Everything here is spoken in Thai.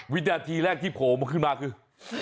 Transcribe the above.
วินาทีแรกที่โผล่มาขึ้นมาคือ